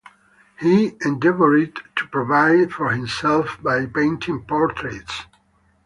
He endeavoured to provide for himself by painting portraits.